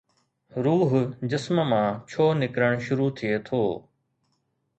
روح جسم مان ڇو نڪرڻ شروع ٿئي ٿو؟